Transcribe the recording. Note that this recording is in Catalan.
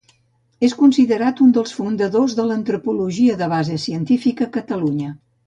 És considerat un dels fundadors de l'antropologia de base científica a Catalunya.